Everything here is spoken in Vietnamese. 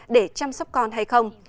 để chăm sóc con hay không